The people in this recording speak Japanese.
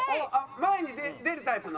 前に出るタイプの？